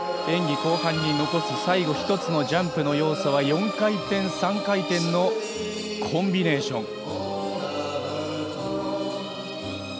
演技後半に残す最後１つのジャンプの要素は４回転、３回転のコンビネーション。